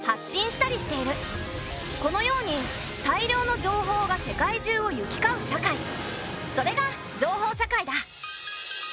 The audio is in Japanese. このように大量の情報が世界中を行き交う社会それが「情報社会」だ。